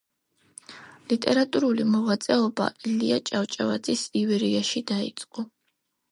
ლიტერატურული მოღვაწეობა ილია ჭავჭავაძის „ივერიაში“ დაიწყო.